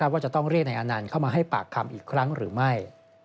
ว่าจะต้องเรียกนายอานันต์เข้ามาให้ปากคำอีกครั้งหรือไม่